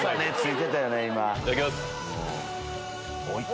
いただきます。